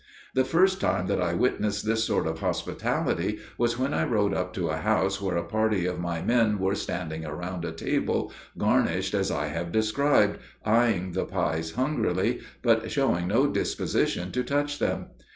The first time that I witnessed this sort of hospitality was when I rode up to a house where a party of my men were standing around a table garnished as I have described, eyeing the pies hungrily, but showing no disposition to touch them.